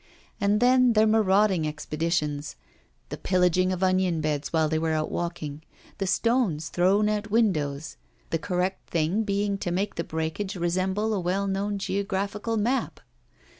And then their marauding expeditions; the pillaging of onion beds while they were out walking; the stones thrown at windows, the correct thing being to make the breakage resemble a well known geographical map.